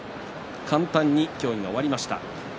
簡単に協議が終わりました。